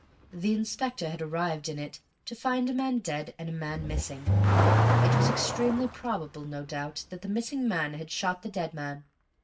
The inspector had arrived in it to find a man dead and a man missing. It was extremely probable, no doubt, that the missing man had shot the dead man.